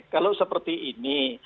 kalau seperti ini